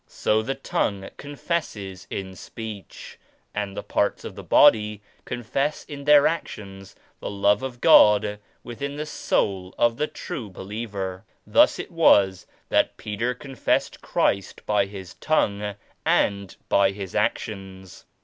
So the tongue confesses in speech and the parts of the body confess in their actions the Love of God within the soul of a true be liever. Thus it was that Peter confessed Christ by his tongue and by his actions.